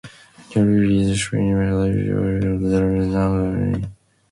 Karioi settlement lay to the south at what is now Karioi Domain.